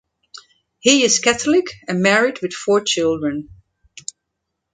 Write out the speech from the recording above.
He is Catholic and married with four children.